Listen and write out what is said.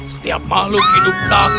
setiap makhluk hidup takut padamu